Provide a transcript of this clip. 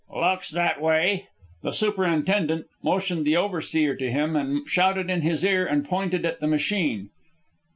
"Looks that way." The superintendent motioned the overseer to him and shouted in his ear and pointed at the machine.